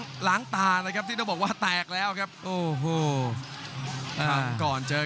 ขวางเอาไว้ครับโอ้ยเด้งเตียวคืนครับฝันด้วยศอกซ้าย